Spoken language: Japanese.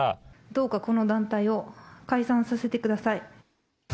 どうかこの団体を解散させてください。